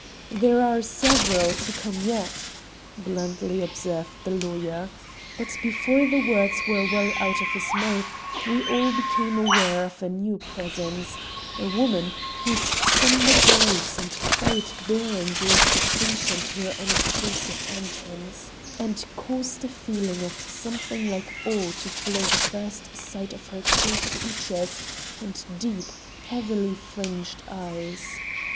"There are several to come yet," blandly observed the lawyer. But before the words were well out of his mouth, we all became aware of a new presence a woman, whose somber grace and quiet bearing gave distinction to her unobtrusive entrance, and caused a feeling of something like awe to follow the first sight of her cold features and deep, heavily fringed eyes.